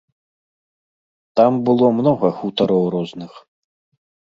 Там было многа хутароў розных.